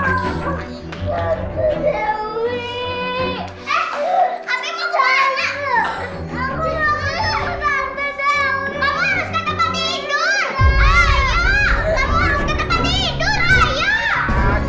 kamu harus ke tempat tidur